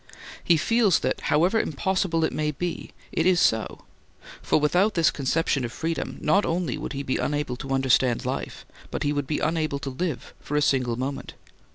He feels that however impossible it may be, it is so, for without this conception of freedom not only would he be unable to understand life, but he would be unable to live for a single moment.